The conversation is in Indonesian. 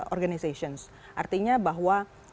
organization artinya bahwa